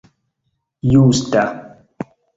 justa